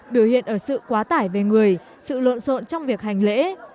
biểu hiện ở sự quá tải về người sự lộn xộn trong việc hành lễ